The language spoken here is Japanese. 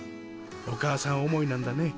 お母さん思いなんだね。